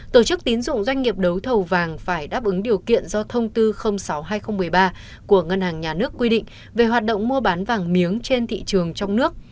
tổ chức tín dụng doanh nghiệp đấu thầu vàng phải đáp ứng điều kiện do thông tư sáu hai nghìn một mươi ba của ngân hàng nhà nước quy định về hoạt động mua bán vàng miếng trên thị trường trong nước